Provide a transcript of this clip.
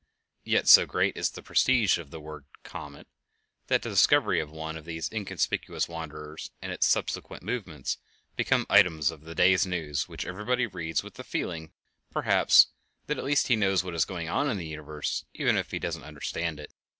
Yet so great is the prestige of the word "comet" that the discovery of one of these inconspicuous wanderers, and its subsequent movements, become items of the day's news which everybody reads with the feeling, perhaps, that at least he knows what is going on in the universe even if he doesn't understand it.